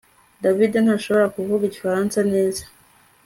David ntashobora kuvuga igifaransa neza